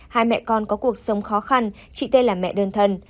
hai mẹ con có cuộc sống khó khăn chị tên là mẹ đơn thân